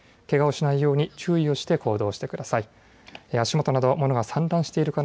けがをしないように注意をして行動してください。